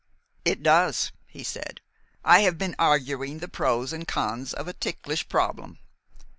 "It does," he said. "I have been arguing the pros and cons of a ticklish problem.